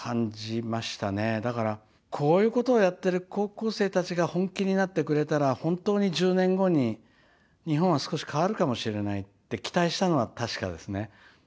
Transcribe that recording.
だからこういうことをやってる高校生たちが本気になってくれたら本当に１０年後に日本は少し変わるかもしれないって期待したのは確かですね。